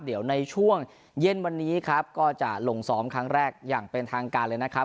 เดี๋ยวในช่วงเย็นวันนี้ครับก็จะลงซ้อมครั้งแรกอย่างเป็นทางการเลยนะครับ